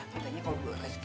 katanya kalau gue usg